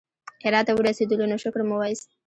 هرات ته ورسېدلو نو شکر مو وایست.